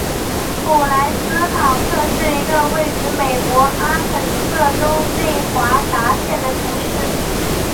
蒲莱斯考特是一个位于美国阿肯色州内华达县的城市。